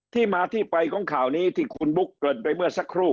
ที่มาที่ไปของข่าวนี้ที่คุณบุ๊คเกินไปเมื่อสักครู่